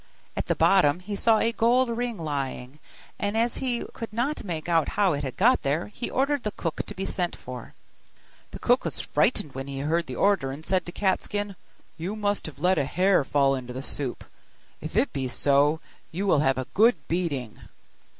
At the bottom he saw a gold ring lying; and as he could not make out how it had got there, he ordered the cook to be sent for. The cook was frightened when he heard the order, and said to Cat skin, 'You must have let a hair fall into the soup; if it be so, you will have a good beating.